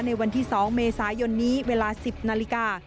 ในวันที่๒เมษายนนี้เวลา๑๐นาฬิกา